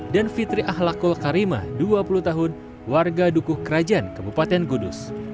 dan fitri ahlakul karimah dua puluh tahun warga dukuh kerajaan kabupaten gudus